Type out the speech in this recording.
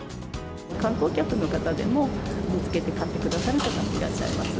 観光客の方でも、見つけて買ってくださる方、いらっしゃいます。